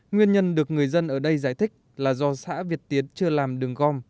nguyên nhân được người dân ở đây giải thích là do xã việt tiến chưa làm đường gom